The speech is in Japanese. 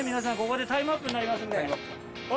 ここでタイムアップになりますんで。